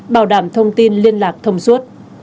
bảo đảm thông tin liên lạc thông suốt